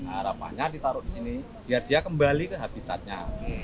harapannya ditaruh disini dia dia kembali ke habitatnya